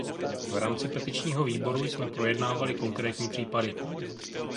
V rámci Petičního výboru jsme projednávali konkrétní případy.